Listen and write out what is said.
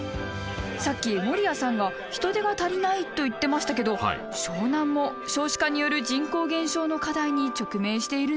さっき守屋さんが人手が足りないと言ってましたけど湘南も少子化による人口減少の課題に直面しているんですね。